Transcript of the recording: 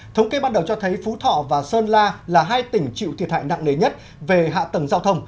thống kê ban đầu cho thấy phú thọ và sơn la là hai tỉnh chịu thiệt hại nặng nề nhất về hạ tầng giao thông